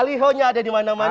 baliho nya ada dimana mana